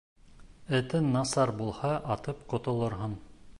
Этең насар булһа, атып ҡотолорһоң